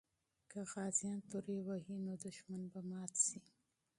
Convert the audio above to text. که غازیان تورو وهي، نو دښمن به مات سي.